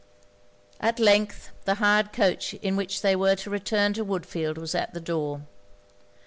At length the hired coach in which they were to return to Woodfield was at the door.